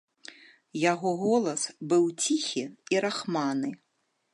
Яго голас быў ціхі і рахманы.